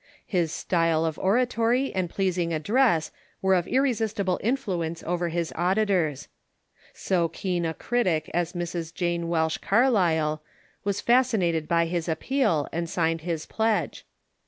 His style of oratory and pleas ing address were of irresistible influence over his auditors. So keen a critic as Mrs. Jane Welsh Carlyle was fascinated by his appeal, and signed his pledge.